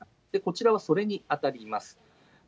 こちらはそれに当たります。